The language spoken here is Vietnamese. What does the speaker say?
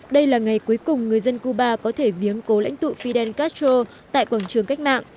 đây là ngày cuối cùng người dân cuba có thể viếng cố lãnh tụ fidel castro tại quảng trường cách mạng